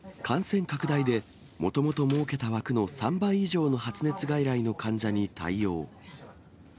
感染拡大で、もともと設けた枠の３倍以上の発熱外来の患者に対応。